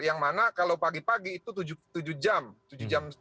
yang mana kalau pagi pagi itu tujuh jam